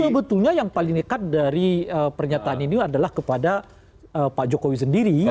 sebetulnya yang paling dekat dari pernyataan ini adalah kepada pak jokowi sendiri